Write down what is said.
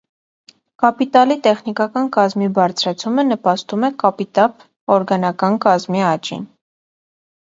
Կապիտալի տեխնիկական կազմի բարձրացումը նպաստում է կապիտափ օրգանական կազմի աճին։